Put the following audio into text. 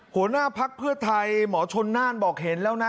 หัวหน้าพักเพื่อไทยหมอชนน่านบอกเห็นแล้วนะ